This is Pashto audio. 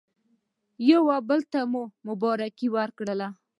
یو او بل ته مو مبارکي ورکړه.